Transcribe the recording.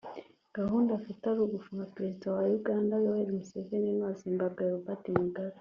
gahunda afite ari ugufunga Perezida wa Uganda Yoweri Museveni n’uwa Zimbabwe Robert Mugabe